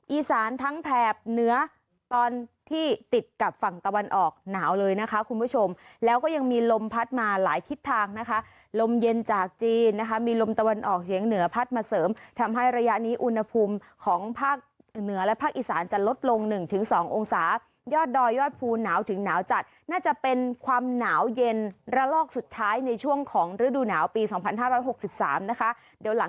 อีสานทั้งแถบเหนือตอนที่ติดกับฝั่งตะวันออกหนาวเลยนะคะคุณผู้ชมแล้วก็ยังมีลมพัดมาหลายทิศทางนะคะลมเย็นจากจีนนะคะมีลมตะวันออกเฉียงเหนือพัดมาเสริมทำให้ระยะนี้อุณหภูมิของภาคเหนือและภาคอีสานจะลดลง๑๒องศายอดดอยยอดภูหนาวถึงหนาวจัดน่าจะเป็นความหนาวเย็นระลอกสุดท้ายในช่วงของฤดูหนาวปี๒๕๖๓นะคะเดี๋ยวหลัง